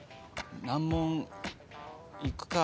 難問いくか。